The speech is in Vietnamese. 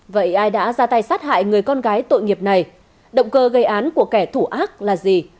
vậy ai đã ra tay sát hại người con gái tội nghiệp này động cơ gây án của kẻ thủ ác là gì